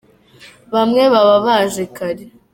Bamwe baba baje kare.